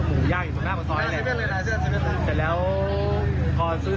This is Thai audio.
ไม่ท้อเลาะละใครกับผู้